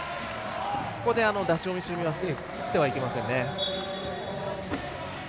ここで、出し惜しみはしてはいけませんね。